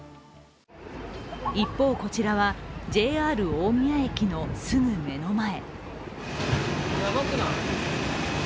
一方、こちらはＪＲ大宮駅のすぐ目の前。